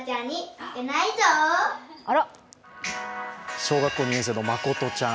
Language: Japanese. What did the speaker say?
小学校２年生のまことちゃん。